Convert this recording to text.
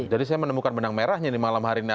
jadi saya menemukan benang merahnya nih malam hari ini